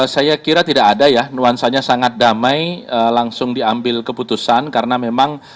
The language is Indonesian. saya kira tidak ada ya nuansanya sangat damai langsung diambil keputusan karena memang